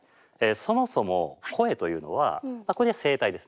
そもそも声というのはここにある声帯ですね